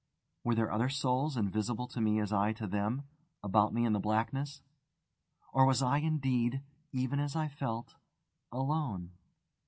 Were there other souls, invisible to me as I to them, about me in the blackness? or was I indeed, even as I felt, alone?